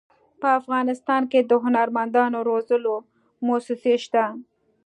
په افغانستان کې د هنرمندانو روزلو مؤسسې شته.